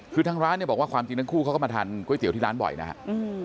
คือทางร้านเนี่ยบอกว่าความจริงทั้งคู่เขาก็มาทานก๋วยเตี๋ยวที่ร้านบ่อยนะครับ